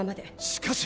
しかし。